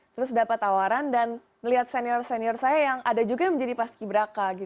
terus dapat tawaran dan melihat senior senior saya yang ada juga yang menjadi paski braka